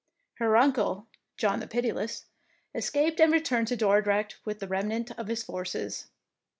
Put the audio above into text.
Her uncle, "John the Pitiless,'' es caped and returned to Dordrecht with the remnant of his forces.